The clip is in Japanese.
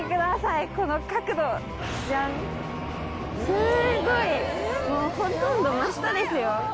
すごいもうほとんど真下ですよ。